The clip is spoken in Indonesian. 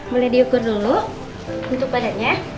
boleh diukur dulu untuk badannya